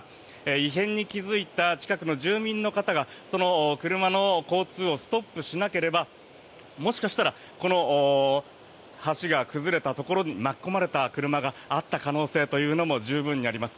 異変に気付いた近くの住民の方が車の交通をストップしなければもしかしたらこの橋が崩れたところに巻き込まれた車があった可能性というのも十分にあります。